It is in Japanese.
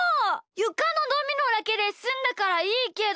ゆかのドミノだけですんだからいいけど。